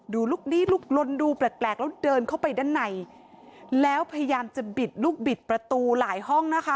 ลุกดีลุกลนดูแปลกแล้วเดินเข้าไปด้านในแล้วพยายามจะบิดลูกบิดประตูหลายห้องนะคะ